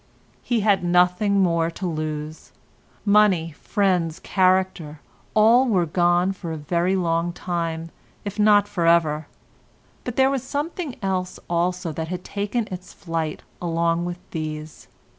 He had nothing more to lose; money, friends, character, all were gone for a very long time if not for ever; but there was something else also that had taken its flight along with these.